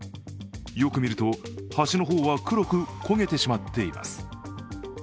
よく見ると、端の方は黒く焦げてしまっています。